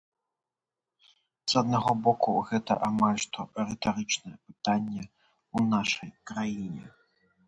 З аднаго боку, гэта амаль што рытарычнае пытанне ў нашай краіне.